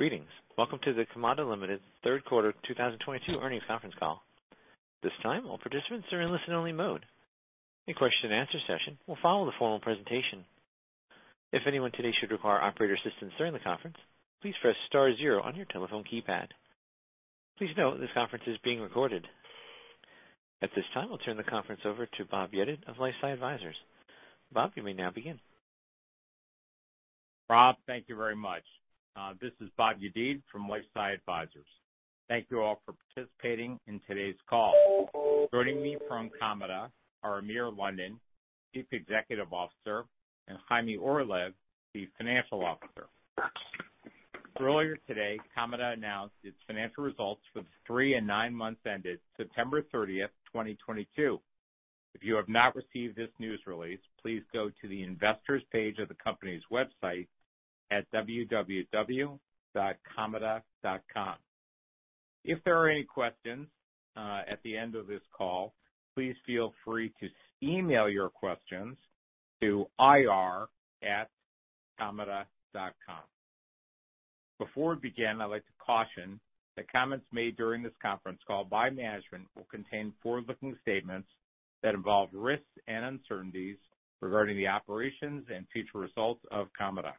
Greetings. Welcome to the Kamada Ltd 3rd Quarter 2022 Earnings Conference Call. This time, all participants are in listen only mode. A question and answer session will follow the formal presentation. If anyone today should require operator assistance during the conference, please press star zero on your telephone keypad. Please note this conference is being recorded. At this time, I'll turn the conference over to Bob Yedid of LifeSci Advisors. Bob, you may now begin. Rob, thank you very much. This is Bob Yedid from LifeSci Advisors. Thank you all for participating in today's call. Joining me from Kamada are Amir London, Chief Executive Officer, and Chaime Orlev, Chief Financial Officer. Earlier today, Kamada announced its financial results for the three and nine months ended September 30, 2022. If you have not received this news release, please go to the investors page of the company's website at www.kamada.com. If there are any questions, at the end of this call, please feel free to email your questions to ir@kamada.com. Before we begin, I'd like to caution that comments made during this conference call by management will contain forward-looking statements that involve risks and uncertainties regarding the operations and future results of Kamada.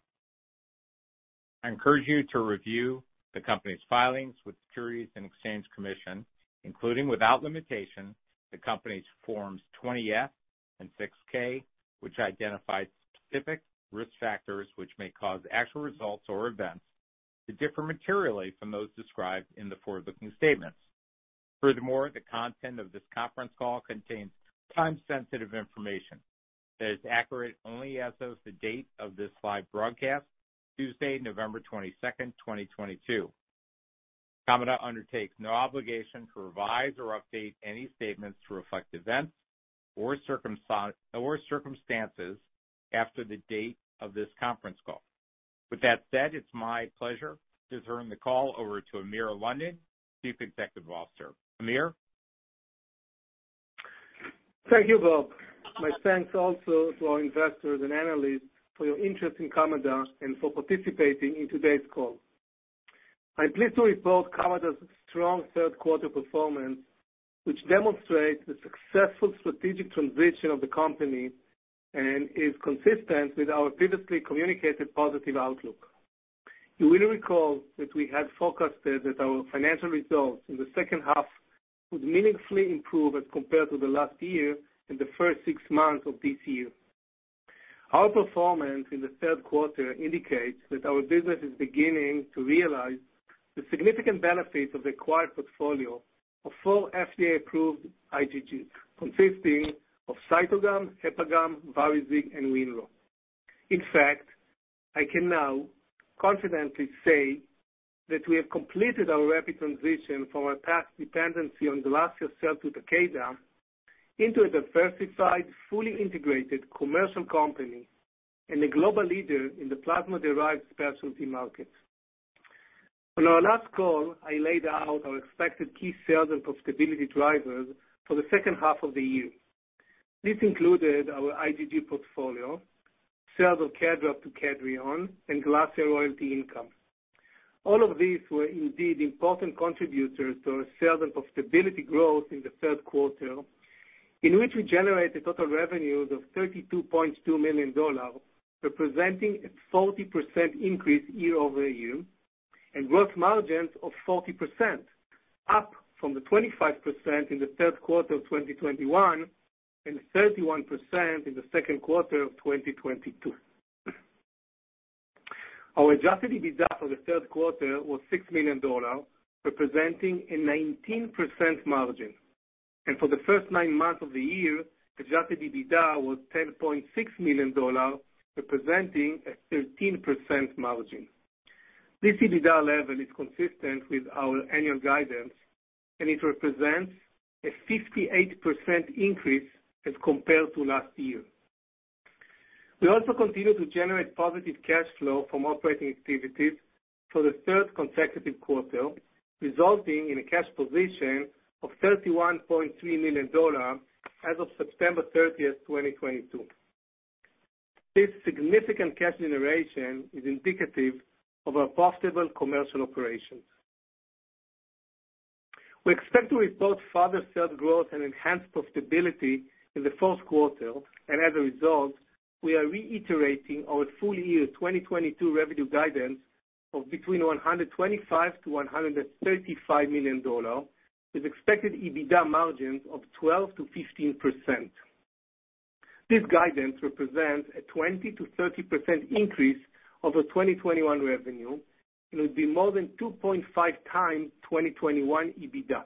I encourage you to review the company's filings with Securities and Exchange Commission, including without limitation, the company's Forms 20-F and 6-K, which identify specific risk factors which may cause actual results or events to differ materially from those described in the forward-looking statements. The content of this conference call contains time-sensitive information that is accurate only as of the date of this live broadcast, Tuesday, November 22nd, 2022. Kamada undertakes no obligation to revise or update any statements to reflect events or circumstances after the date of this conference call. With that said, it's my pleasure to turn the call over to Amir London, Chief Executive Officer. Amir? Thank you, Bob. My thanks also to our investors and analysts for your interest in Kamada and for participating in today's call. I'm pleased to report Kamada's strong third quarter performance, which demonstrates the successful strategic transition of the company and is consistent with our previously communicated positive outlook. You will recall that we had forecasted that our financial results in the second half would meaningfully improve as compared to the last year and the first six months of this year. Our performance in the third quarter indicates that our business is beginning to realize the significant benefits of the acquired portfolio of four FDA-approved IgGs, consisting of CytoGam, HepaGam, VARIZIG, and WinRho. In fact, I can now confidently say that we have completed our rapid transition from our past dependency on the GLASSIA sale to Takeda into a diversified, fully integrated commercial company and a global leader in the plasma-derived specialty market. On our last call, I laid out our expected key sales and profitability drivers for the second half of the year. This included our IgG portfolio, sales of KEDRAB to Kedrion, and GLASSIA royalty income. All of these were indeed important contributors to our sales and profitability growth in the third quarter, in which we generated total revenues of $32.2 million, representing a 40% increase year-over-year and gross margins of 40%, up from the 25% in the third quarter of 2021 and 31% in the second quarter of 2022. Our adjusted EBITDA for the third quarter was $6 million, representing a 19% margin. For the first nine months of the year, adjusted EBITDA was $10.6 million, representing a 13% margin. This EBITDA level is consistent with our annual guidance, and it represents a 58% increase as compared to last year. We also continue to generate positive cash flow from operating activities for the third consecutive quarter, resulting in a cash position of $31.3 million as of September 30, 2022. This significant cash generation is indicative of our profitable commercial operations. We expect to report further sales growth and enhanced profitability in the fourth quarter, and as a result, we are reiterating our full year 2022 revenue guidance of between $125 million to $135 million with expected EBITDA margins of 12% to 15%. This guidance represents a 20% to 30% increase over 2021 revenue and will be more than 2.5 times 2021 EBITDA.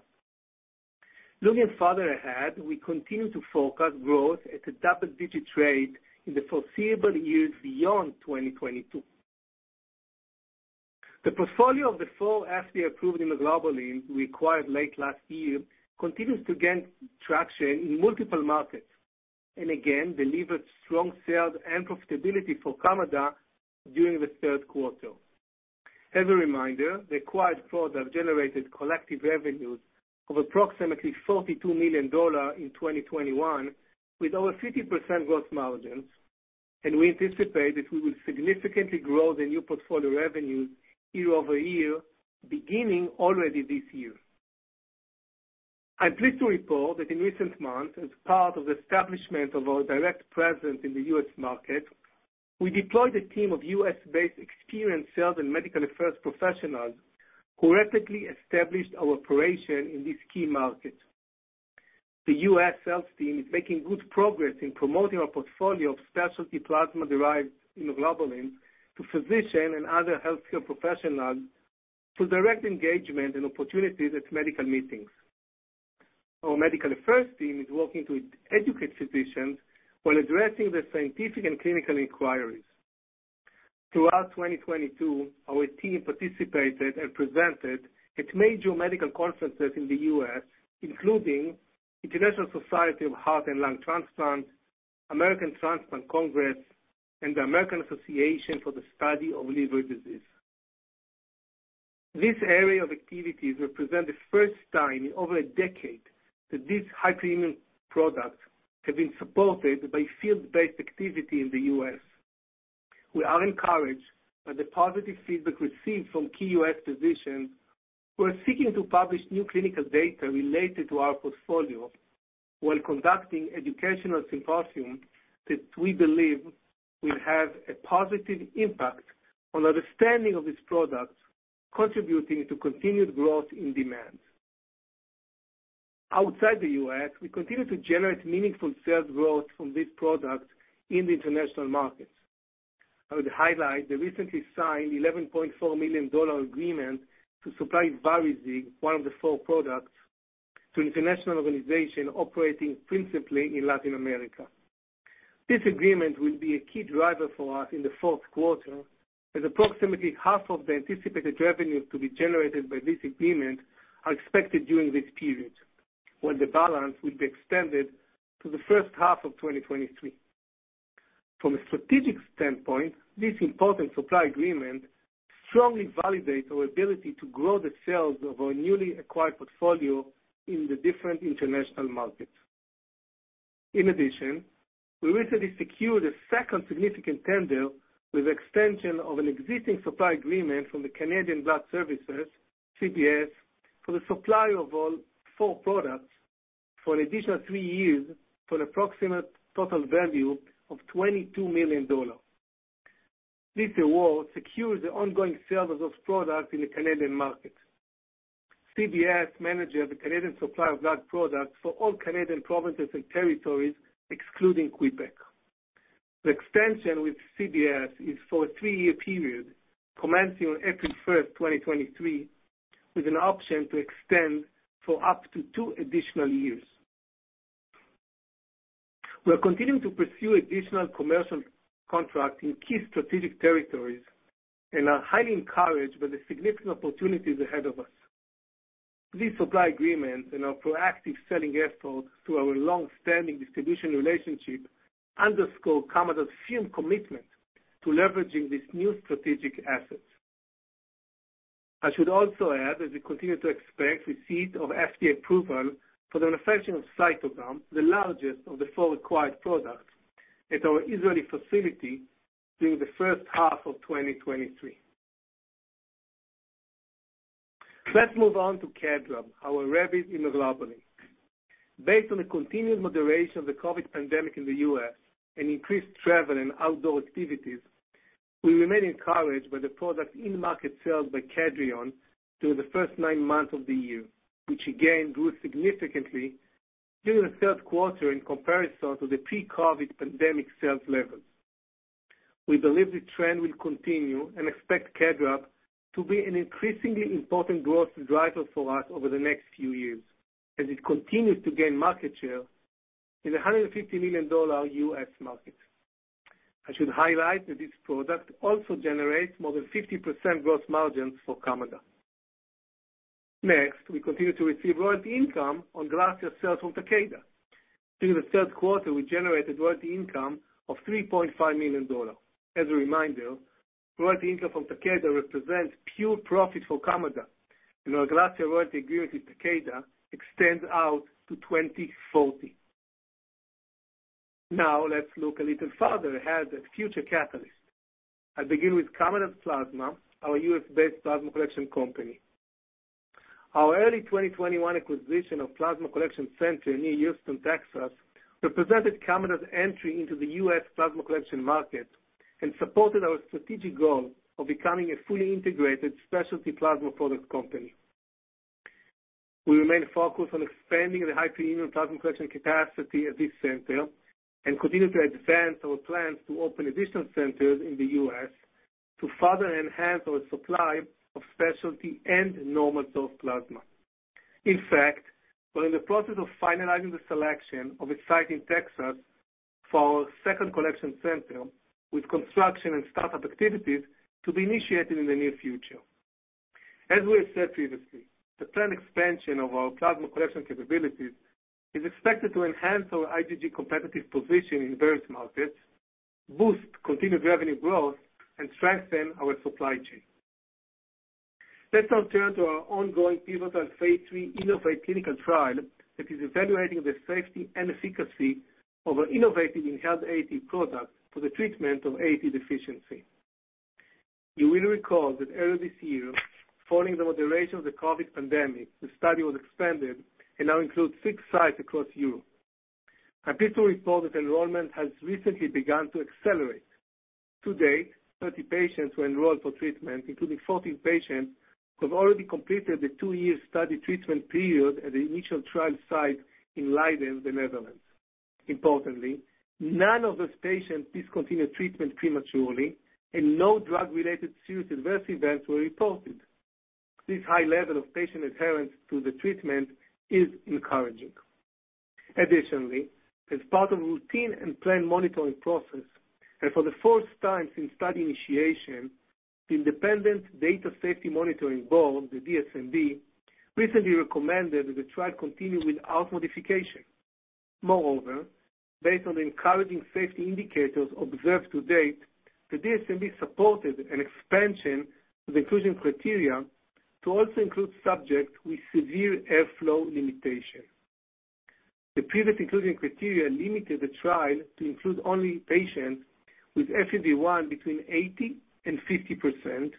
Looking further ahead, we continue to forecast growth at a double-digit rate in the foreseeable years beyond 2022. The portfolio of the four FDA-approved immunoglobulins we acquired late last year continues to gain traction in multiple markets and again delivered strong sales and profitability for Kamada during the third quarter. As a reminder, the acquired products generated collective revenues of approximately $42 million in 2021, with over 50% gross margins. We anticipate that we will significantly grow the new portfolio revenues year-over-year, beginning already this year. I'm pleased to report that in recent months, as part of the establishment of our direct presence in the U.S. market, we deployed a team of U.S.-based experienced sales and medical affairs professionals who rapidly established our operation in this key market. The U.S. sales team is making good progress in promoting our portfolio of specialty plasma-derived immunoglobulins to physicians and other healthcare professionals through direct engagement and opportunities at medical meetings. Our medical affairs team is working to educate physicians while addressing the scientific and clinical inquiries. Throughout 2022, our team participated and presented at major medical conferences in the U.S., including International Society for Heart and Lung Transplantation, American Transplant Congress, and the American Association for the Study of Liver Diseases. This area of activities represent the first time in over a decade that these high premium products have been supported by field-based activity in the U.S. We are encouraged by the positive feedback received from key U.S. physicians who are seeking to publish new clinical data related to our portfolio while conducting educational symposiums that we believe will have a positive impact on understanding of these products, contributing to continued growth in demand. Outside the U.S., we continue to generate meaningful sales growth from these products in the international markets. I would highlight the recently signed $11.4 million agreement to supply VARIZIG, one of the four products, to an international organization operating principally in Latin America. This agreement will be a key driver for us in the fourth quarter, as approximately half of the anticipated revenues to be generated by this agreement are expected during this period when the balance will be extended to the first half of 2023. From a strategic standpoint, this important supply agreement strongly validates our ability to grow the sales of our newly acquired portfolio in the different international markets. We recently secured a second significant tender with extension of an existing supply agreement from the Canadian Blood Services, CBS, for the supply of all four products for an additional 3 years for an approximate total value of $22 million. This award secures the ongoing sales of those products in the Canadian market. CBS manages the Canadian supply of blood products for all Canadian provinces and territories, excluding Quebec. The extension with CBS is for a three-year period commencing on April 1st, 2023, with an option to extend for up to two additional years. We are continuing to pursue additional commercial contracts in key strategic territories and are highly encouraged by the significant opportunities ahead of us. These supply agreements and our proactive selling efforts through our long-standing distribution relationship underscore Kamada's firm commitment to leveraging these new strategic assets. I should also add that we continue to expect receipt of FDA approval for the manufacturing of CytoGam, the largest of the four acquired products, at our Israeli facility during the first half of 2023. Let's move on to KEDRAB, our rabies immunoglobulin. Based on the continued moderation of the COVID pandemic in the U.S. and increased travel and outdoor activities, we remain encouraged by the product in-market sales by Kedrion through the first nine months of the year, which again grew significantly during the third quarter in comparison to the pre-COVID pandemic sales levels. We believe the trend will continue and expect KEDRAB to be an increasingly important growth driver for us over the next few years as it continues to gain market share in the $150 million U.S. market. I should highlight that this product also generates more than 50% gross margins for Kamada. We continue to receive royalty income on GLASSIA sales from Takeda. During the third quarter, we generated royalty income of $3.5 million. As a reminder, royalty income from Takeda represents pure profit for Kamada. Our GLASSIA royalty agreement with Takeda extends out to 2040. Let's look a little further ahead at future catalysts. I'll begin with Kamada Plasma, our U.S.-based plasma collection company. Our early 2021 acquisition of Plasma Collection Center near Houston, Texas, represented Kamada's entry into the U.S. plasma collection market and supported our strategic goal of becoming a fully integrated specialty plasma product company. We remain focused on expanding the high premium plasma collection capacity at this center and continue to advance our plans to open additional centers in the U.S. to further enhance our supply of specialty and normal source plasma. In fact, we're in the process of finalizing the selection of a site in Texas for our second collection center, with construction and startup activities to be initiated in the near future. As we have said previously, the planned expansion of our plasma collection capabilities is expected to enhance our IgG competitive position in various markets, boost continued revenue growth, and strengthen our supply chain. Let's now turn to our ongoing pivotal phase III InnovAATe clinical trial that is evaluating the safety and efficacy of our innovative Inhaled AAT product for the treatment of AAT deficiency. You will recall that earlier this year, following the moderation of the COVID pandemic, the study was expanded and now includes six sites across Europe. I'm pleased to report that enrollment has recently begun to accelerate. To date, 30 patients were enrolled for treatment, including 14 patients who have already completed the two-year study treatment period at the initial trial site in Leiden, the Netherlands. Importantly, none of those patients discontinued treatment prematurely, and no drug-related serious adverse events were reported. This high level of patient adherence to the treatment is encouraging. As part of routine and planned monitoring process, and for the first time since study initiation, the independent data safety monitoring board, the DSMB, recently recommended that the trial continue without modification. Based on the encouraging safety indicators observed to date, the DSMB supported an expansion of inclusion criteria to also include subjects with severe airflow limitation. The previous inclusion criteria limited the trial to include only patients with FEV1 between 80% and 50%,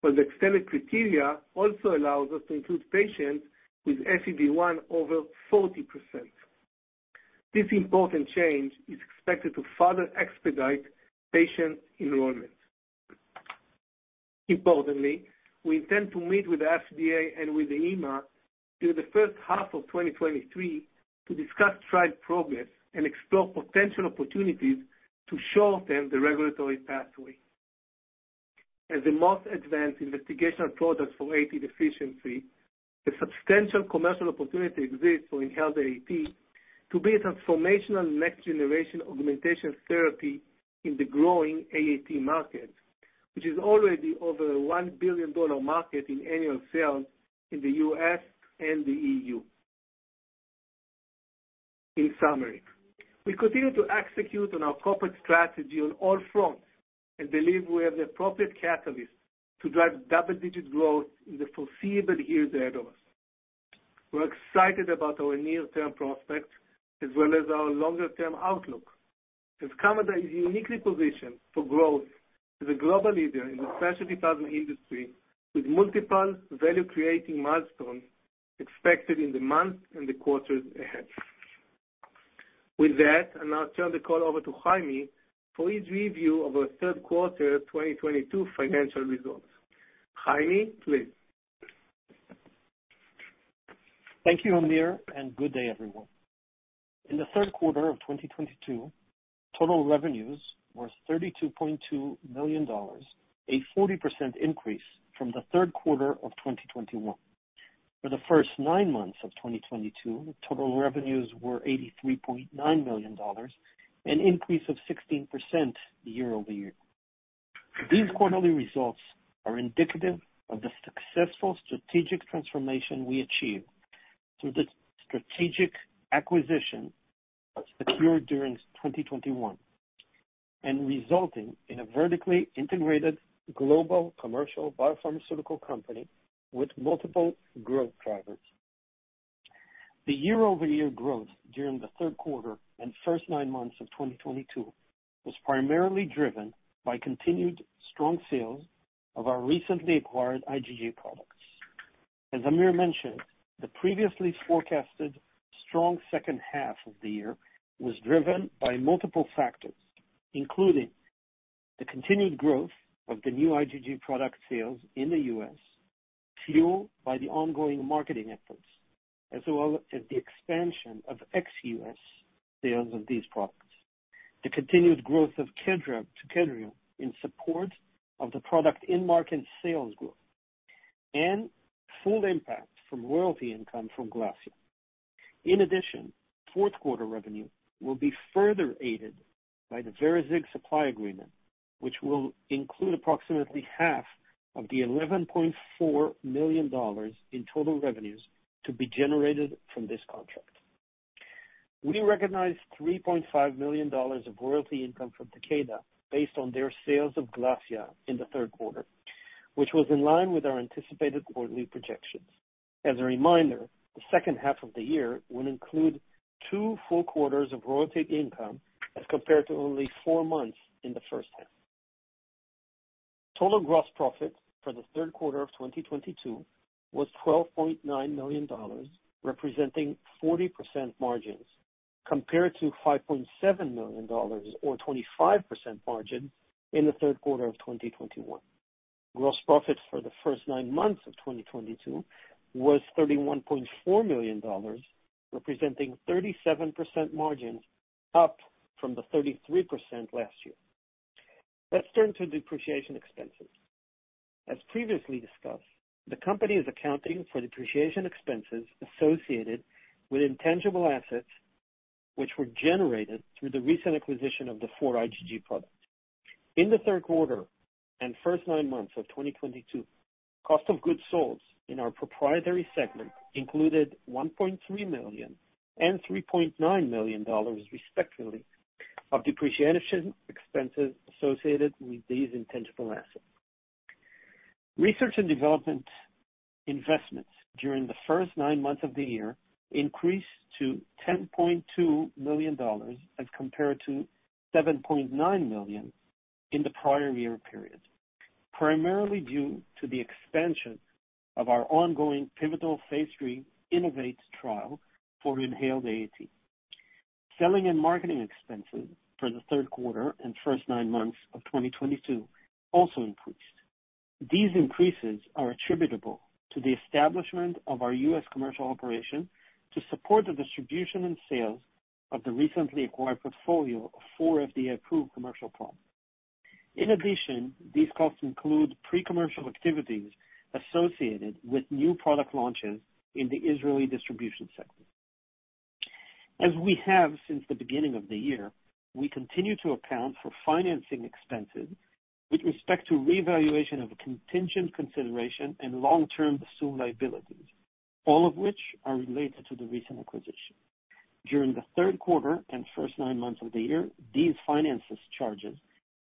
but the extended criteria also allows us to include patients with FEV1 over 40%. This important change is expected to further expedite patient enrollment. We intend to meet with the FDA and with the EMA during the first half of 2023 to discuss trial progress and explore potential opportunities to shorten the regulatory pathway. As the most advanced investigational product for AAT deficiency, a substantial commercial opportunity exists for Inhaled AAT to be a transformational next-generation augmentation therapy in the growing AAT market, which is already over a $1 billion market in annual sales in the US and the EU. In summary, we continue to execute on our corporate strategy on all fronts and believe we have the appropriate catalyst to drive double-digit growth in the foreseeable years ahead of us. We're excited about our near-term prospects as well as our longer-term outlook, as Kamada is uniquely positioned for growth as a global leader in the specialty pharma industry with multiple value-creating milestones expected in the months and the quarters ahead. With that, I'll now turn the call over to Chaime for his review of our third quarter 2022 financial results. Chaime, please. Thank you, Amir. Good day, everyone. In the third quarter of 2022, total revenues were $32.2 million, a 40% increase from the third quarter of 2021. For the first nine months of 2022, total revenues were $83.9 million, an increase of 16% year-over-year. These quarterly results are indicative of the successful strategic transformation we achieved through the strategic acquisition that secured during 2021, resulting in a vertically integrated global commercial biopharmaceutical company with multiple growth drivers. The year-over-year growth during the third quarter and first nine months of 2022 was primarily driven by continued strong sales of our recently acquired IgG products. As Amir mentioned, the previously forecasted strong second half of the year was driven by multiple factors, including the continued growth of the new IgG product sales in the U.S., fueled by the ongoing marketing efforts as well as the expansion of ex-U.S. sales of these products. The continued growth of KEDRAB to Kedrion in support of the product in-market sales growth and full impact from royalty income from GLASSIA. In addition, fourth quarter revenue will be further aided by the VARIZIG supply agreement, which will include approximately half of the $11.4 million in total revenues to be generated from this contract. We recognized $3.5 million of royalty income from Takeda based on their sales of GLASSIA in the third quarter, which was in line with our anticipated quarterly projections. As a reminder, the second half of the year will include two full quarters of royalty income as compared to only four months in the first half. Total gross profit for the third quarter of 2022 was $12.9 million, representing 40% margins, compared to $5.7 million or 25% margin in the third quarter of 2021. Gross profit for the first nine months of 2022 was $31.4 million, representing 37% margins, up from the 33% last year. Let's turn to depreciation expenses. As previously discussed, the company is accounting for depreciation expenses associated with intangible assets which were generated through the recent acquisition of the four IgG products. In the third quarter and first nine months of 2022, cost of goods sold in our proprietary segment included $1.3 million and $3.9 million, respectively, of depreciation expenses associated with these intangible assets. Research and development investments during the first nine months of the year increased to $10.2 million as compared to $7.9 million in the prior year period, primarily due to the expansion of our ongoing pivotal phase III InnovAATe trial for Inhaled AAT. Selling and marketing expenses for the third quarter and first nine months of 2022 also increased. These increases are attributable to the establishment of our U.S. commercial operation to support the distribution and sales of the recently acquired portfolio of four FDA-approved commercial products. In addition, these costs include pre-commercial activities associated with new product launches in the Israeli distribution segment. As we have since the beginning of the year, we continue to account for financing expenses with respect to revaluation of contingent consideration and long-term assumed liabilities, all of which are related to the recent acquisition. During the third quarter and first nine months of the year, these finances charges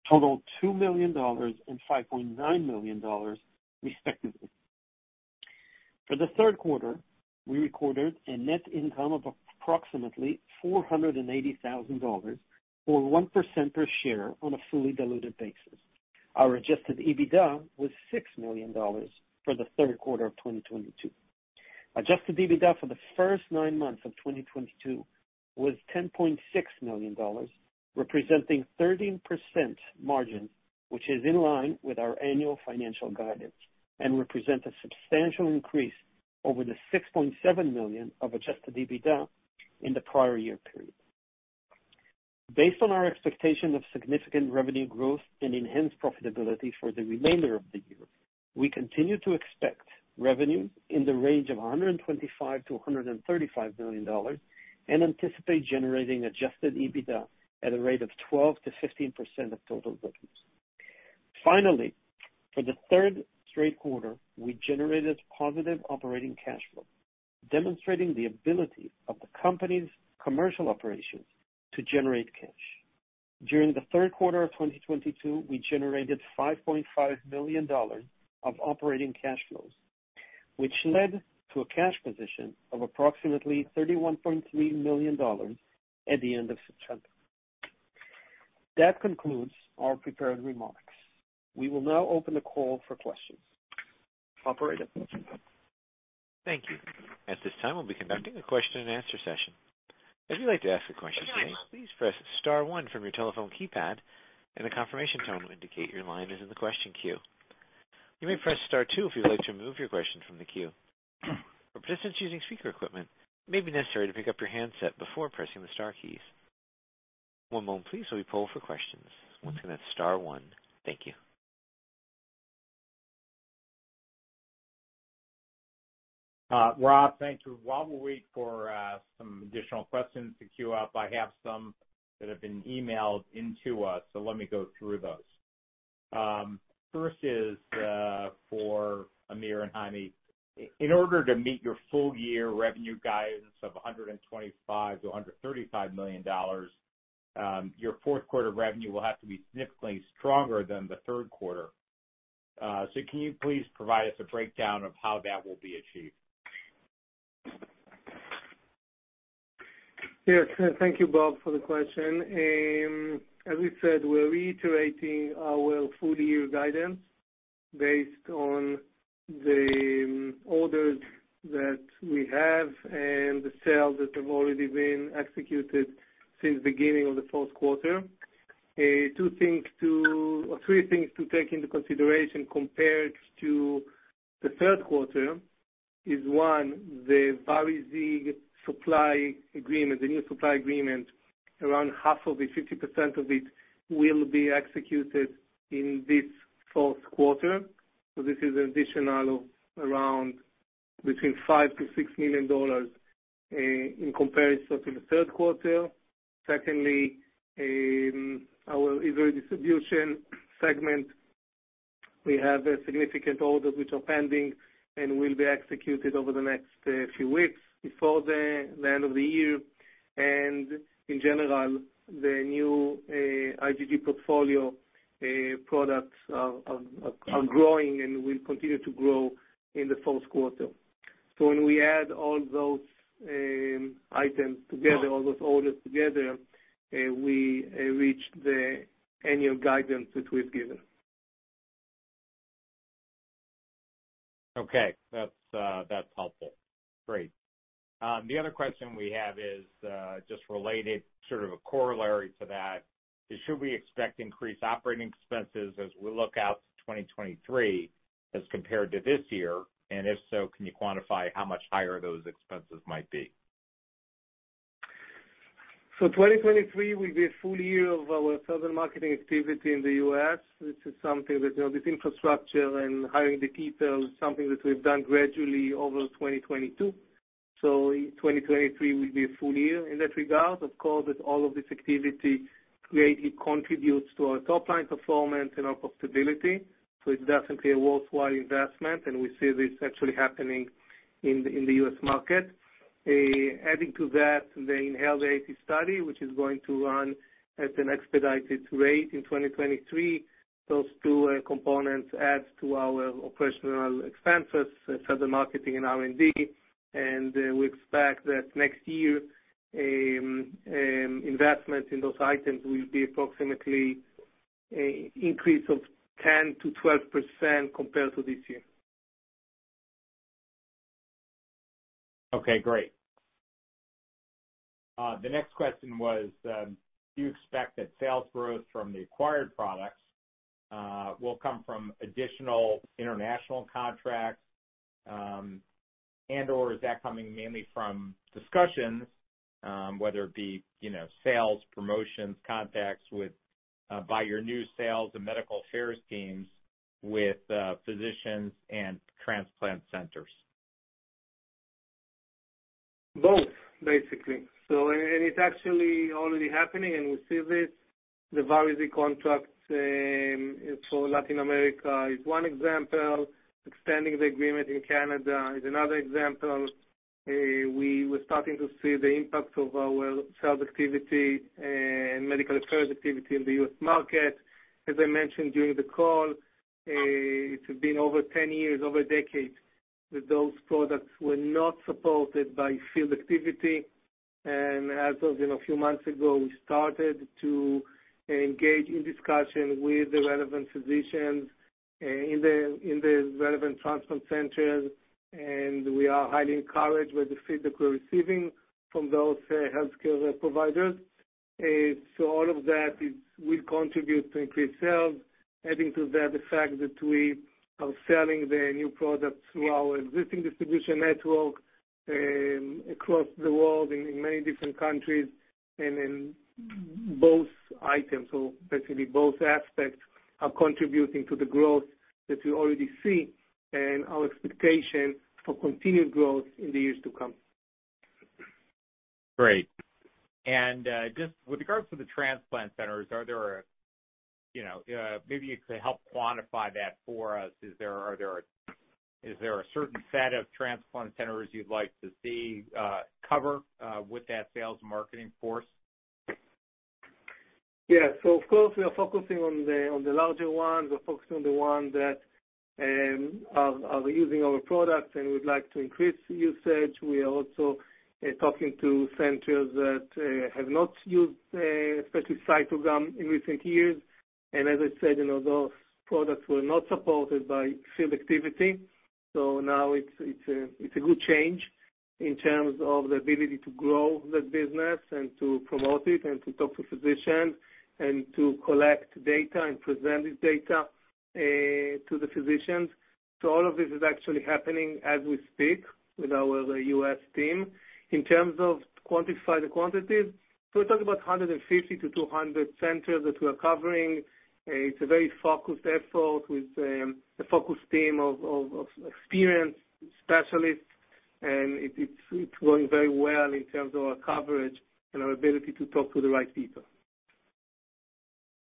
totaled $2 million and $5.9 million, respectively. For the third quarter, we recorded a net income of approximately $480,000 or 1% per share on a fully diluted basis. Our Adjusted EBITDA was $6 million for the third quarter of 2022. Adjusted EBITDA for the first nine months of 2022 was $10.6 million, representing 13% margin, which is in line with our annual financial guidance and represent a substantial increase over the $6.7 million of Adjusted EBITDA in the prior year period. Based on our expectation of significant revenue growth and enhanced profitability for the remainder of the year, we continue to expect revenue in the range of $125 million-$135 million and anticipate generating adjusted EBITDA at a rate of 12%-15% of total revenues. Finally, for the third straight quarter, we generated positive operating cash flow, demonstrating the ability of the company's commercial operations to generate cash. During the third quarter of 2022, we generated $5.5 million of operating cash flows, which led to a cash position of approximately $31.3 million at the end of September. That concludes our prepared remarks. We will now open the call for questions. Operator? Thank you. At this time, we'll be conducting a question and answer session. If you'd like to ask a question today, please press star one from your telephone keypad and a confirmation tone will indicate your line is in the question queue. You may press star two if you'd like to remove your question from the queue. For participants using speaker equipment, it may be necessary to pick up your handset before pressing the star keys. One moment please while we poll for questions. Once again, that's star one. Thank you. Rob, thank you. While we wait for some additional questions to queue up, I have some that have been emailed into us, let me go through those. First is for Amir and Chaime. In order to meet your full year revenue guidance of $125 million to $135 million, your fourth quarter revenue will have to be significantly stronger than the third quarter. Can you please provide us a breakdown of how that will be achieved? Yes. Thank you, Bob, for the question. As we said, we're reiterating our full year guidance based on the orders that we have and the sales that have already been executed since beginning of the fourth quarter. Two or three things to take into consideration compared to the third quarter is, one, the VARIZIG supply agreement, the new supply agreement, around half of it, 50% of it, will be executed in this fourth quarter. This is additional around between $5 million to $6 million in comparison to the third quarter. Secondly, our Israel distribution segment, we have significant orders which are pending and will be executed over the next few weeks before the end of the year. In general, the new IgG portfolio products are growing and will continue to grow in the fourth quarter. When we add all those items together, all those orders together, we reach the annual guidance that we've given. Okay. That's, that's helpful. Great. The other question we have is, just related, sort of a corollary to that. Should we expect increased operating expenses as we look out to 2023 as compared to this year? If so, can you quantify how much higher those expenses might be? 2023 will be a full year of our sales and marketing activity in the US. This is something that, you know, this infrastructure and hiring the people, something that we've done gradually over 2022. In 2023 will be a full year in that regard. Of course, with all of this activity greatly contributes to our top line performance and our profitability. It's definitely a worthwhile investment, and we see this actually happening in the U.S. market. Adding to that, the Inhaled AAT study, which is going to run at an expedited rate in 2023. Those two components add to our operational expenses for the marketing and R&D. We expect that next year investment in those items will be approximately a increase of 10% to 12% compared to this year. Okay, great. The next question was, do you expect that sales growth from the acquired products will come from additional international contracts, and/or is that coming mainly from discussions, whether it be, you know, sales, promotions, contacts with by your new sales and medical affairs teams with physicians and transplant centers? Both, basically. It's actually already happening, and we see this. The VARIZIG contract for Latin America is one example. Extending the agreement in Canada is another example. We were starting to see the impact of our sales activity and medical affairs activity in the U.S. market. As I mentioned during the call, it had been over 10 years, over a decade, that those products were not supported by field activity. As of, you know, a few months ago, we started to engage in discussion with the relevant physicians in the relevant transplant centers, and we are highly encouraged with the feedback we're receiving from those healthcare providers. All of that will contribute to increased sales. Adding to that, the fact that we are selling the new products through our existing distribution network, across the world in many different countries and in both items. Basically both aspects are contributing to the growth that we already see and our expectation for continued growth in the years to come. Great. Just with regards to the transplant centers, are there, you know, maybe you could help quantify that for us? Is there a certain set of transplant centers you'd like to see, cover, with that sales marketing force? Of course, we are focusing on the larger ones. We're focusing on the ones that are using our products and would like to increase the usage. We are also talking to centers that have not used especially CytoGam in recent years. As I said, you know, those products were not supported by field activity. Now it's a good change in terms of the ability to grow the business and to promote it and to talk to physicians and to collect data and present this data to the physicians. All of this is actually happening as we speak with our, the U.S. team. In terms of quantify the quantities, we're talking about 150 to 200 centers that we are covering. It's a very focused effort with a focused team of experienced specialists. It's going very well in terms of our coverage and our ability to talk to the right people.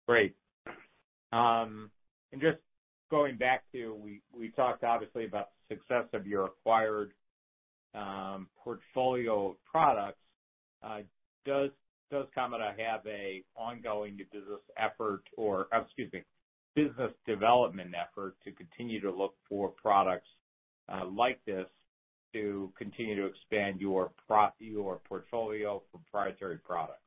Great. Just going back to, we talked obviously about success of your acquired portfolio of products. Does Kamada have a ongoing business effort, excuse me, business development effort to continue to look for products like this to continue to expand your portfolio for proprietary products?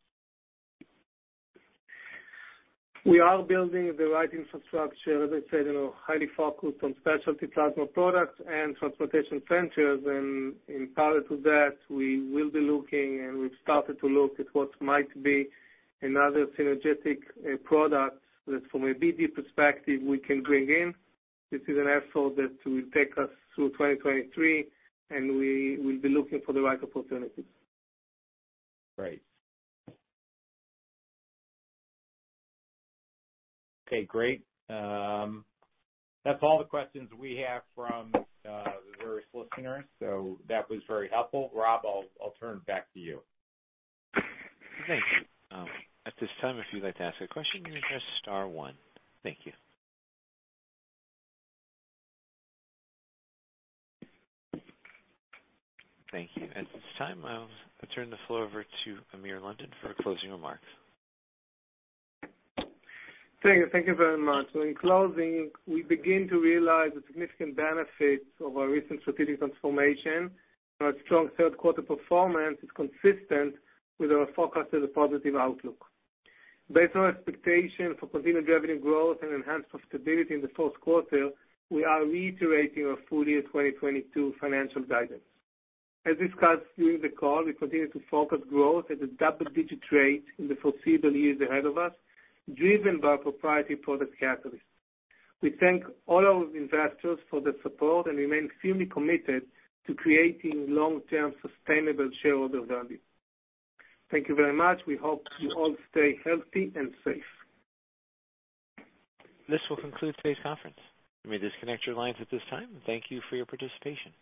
We are building the right infrastructure, as I said, you know, highly focused on specialty plasma products and transportation centers. In parallel to that, we will be looking, and we've started to look at what might be another synergetic products that from a BD perspective, we can bring in. This is an effort that will take us through 2023, and we will be looking for the right opportunities. Great. Okay, great. That's all the questions we have from various listeners. That was very helpful. Rob, I'll turn it back to you. Thank you. At this time, if you'd like to ask a question, you can press star one. Thank you. Thank you. At this time, I'll turn the floor over to Amir London for closing remarks. Thank you. Thank you very much. In closing, we begin to realize the significant benefits of our recent strategic transformation. Our strong third quarter performance is consistent with our forecasted positive outlook. Based on expectation for continued revenue growth and enhanced profitability in the fourth quarter, we are reiterating our full year 2022 financial guidance. As discussed during the call, we continue to focus growth at a double-digit rate in the foreseeable years ahead of us, driven by proprietary product catalyst. We thank all our investors for their support and remain firmly committed to creating long-term sustainable shareholder value. Thank you very much. We hope you all stay healthy and safe. This will conclude today's conference. You may disconnect your lines at this time. Thank you for your participation.